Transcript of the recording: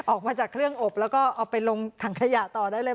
ออกมาจากเครื่องอบแล้วก็เอาไปลงถังขยะต่อได้เลย